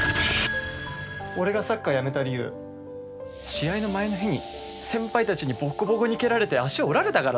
俺がサッカーやめた理由試合の前の日に先輩たちにボッコボコに蹴られて足折られたからだよ。